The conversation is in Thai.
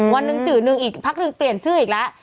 วันหนึ่งชื่อนึงอีกพักหนึ่งเปลี่ยนชื่ออีกแล้ว